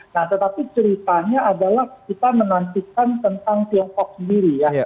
nah tetapi ceritanya adalah kita menantikan tentang tiongkok sendiri ya